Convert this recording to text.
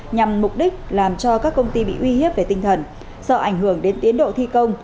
nhằm mục đích làm cho các công ty bị uy hiếp về tinh thần sợ ảnh hưởng đến tiến độ thi công